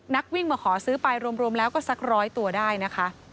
นักวิ่งมาขอซื้อไปรวมแล้วก็สักร้อยตัวได้นะคะ